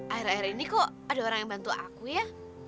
akhir akhir ini kok ada orang yang bantu aku ya